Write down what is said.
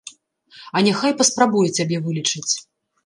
А няхай паспрабуе цябе вылечыць!